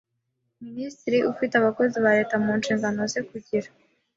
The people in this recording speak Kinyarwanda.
Minisitiri ufite abakozi ba Leta mu nshingano ze kugira